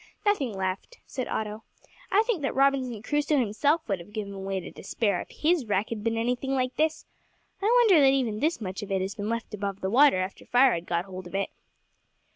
"Nothing left!" said Otto. "I think that Robinson Crusoe himself would have given way to despair if his wreck had been anything like this. I wonder that even this much of it has been left above water after fire had got hold of it."